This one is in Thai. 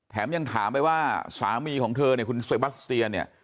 แถมยังถามไปว่าสามีของเธอเนี่ยคุณเซบัสเตียเนี่ย